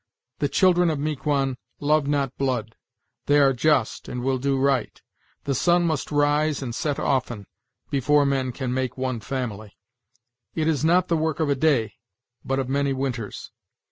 The children of Miquon love not blood: they are just, and will do right. The sun must rise and set often, Before men can make one family; it is not the work of a day, but of many winters.